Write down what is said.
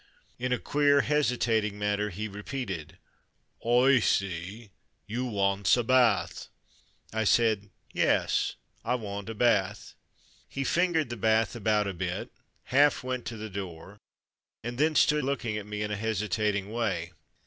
In a queer hesitating manner he repeated, "Oi see, you wants a bath." I said, "Yes, I want a bath. " He fingered the bath about a bit, half My Soldier Servant 55 went to the door, and then stood looking at me in a hesitating way.